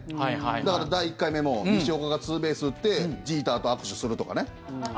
だから第１回目も西岡がツーベースを打ってジーターと握手するとかね。